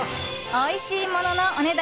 おいしいもののお値段